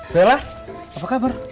bella apa kabar